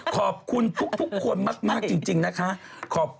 ตบปากไม่ตบ